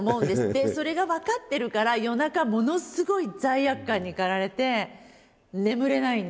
でそれが分かってるから夜中ものすごい罪悪感に駆られて眠れないんですよ。